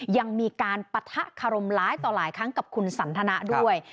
ยังมีการปะทะคารมร้ายต่อหลายครั้งกับคุณสันทนะด้วย